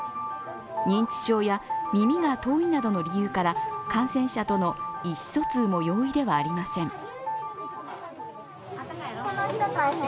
認知症や耳が遠いなどの理由から感染者との意思疎通も容易ではありません。